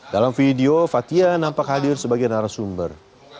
dalam video fathia nampak hadir sebagai narasumber